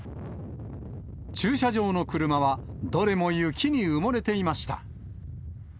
駐車場の車はどれも雪に埋もれていました。